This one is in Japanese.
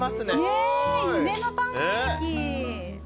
ねっ夢のパンケーキ。